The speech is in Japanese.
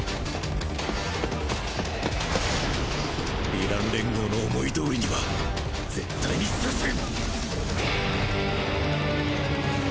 ヴィラン連合の思い通りには絶対にさせん！